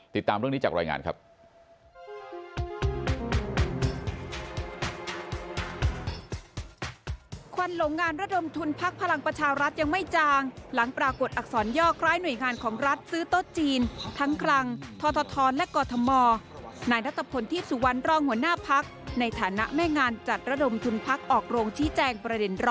ติดตามเรื่องนี้จากรายงานครับ